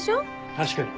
確かに。